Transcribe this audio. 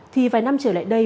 thì vài năm trở lại đây